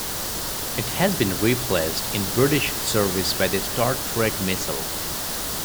It has been replaced in British service by the Starstreak missile.